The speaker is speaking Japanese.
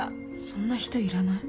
そんな人いらない。